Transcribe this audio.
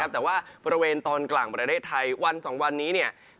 แต่ว่าประเวณตอนกล่ามประเทศไทยวัน๒วันนี้